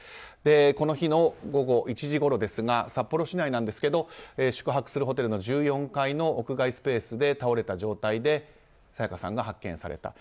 この日の午後１時ごろですが札幌市内で菅宿泊するホテルの１４階の屋外スペースで倒れた状態で沙也加さんが発見されたと。